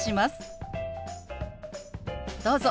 どうぞ。